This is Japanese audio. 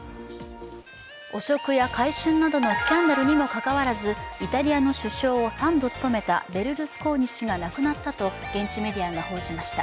汚職や買春などのスキャンダルにもかかわらず、イタリアの首相を３度務めたベルルスコーニ氏が亡くなったと現地メディアが報じました